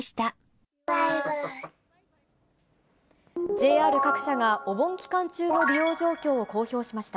ＪＲ各社が、お盆期間中の利用状況を公表しました。